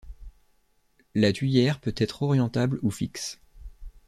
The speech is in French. La tuyère peut être orientable ou fixe.